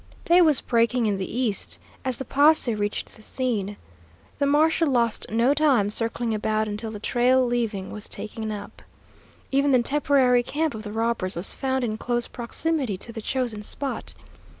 Day was breaking in the east as the posse reached the scene. The marshal lost no time circling about until the trail leaving was taken up. Even the temporary camp of the robbers was found in close proximity to the chosen spot.